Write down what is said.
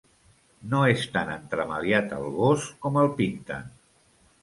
No és tan entremaliat el gos com el pinten.